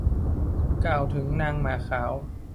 กล่าวถึงนางหมาขาว